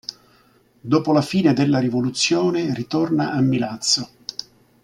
Dopo la fine della rivoluzione ritorna a Milazzo.